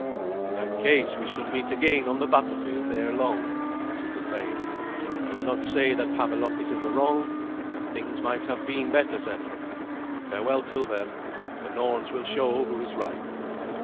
"In that case we shall meet again on the battlefield ere long," answered the thane. "I will not say that Havelok is in the wrong, and things might have been better settled. Farewell till then. The Norns will show who is right."